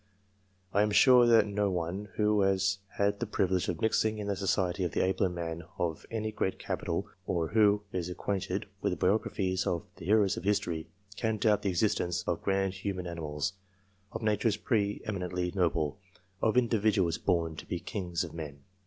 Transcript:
I am sure that no one who has had the privilege of mixing in the society of the abler men of any great capital, or who is acquainted with the biographies of the heroes of history, can doubt the existence of grand human animals, of natures pre eminently noble, of individuals born to be kings of men.